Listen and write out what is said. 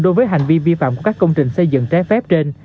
đối với hành vi vi phạm của các công trình xây dựng trái phép trên